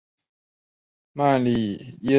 迈耶狸藻为狸藻属似多年中型食虫植物。